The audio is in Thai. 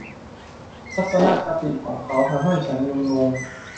ทัศนคติของเขาทำให้ฉันงุนงง